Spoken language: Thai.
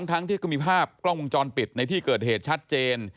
ทั้งที่ก็มีภาพกล้องวงจรปิดในที่เกิดเหตุชัดเจน